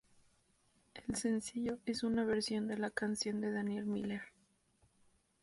El sencillo es una versión de la canción de Daniel Miller.